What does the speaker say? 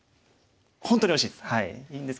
本当に惜しいです。